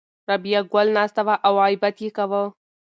رابعه ګل ناسته وه او غیبت یې کاوه.